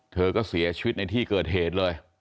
เธอก็เสียชีวิตในที่เกิดเหตุเลย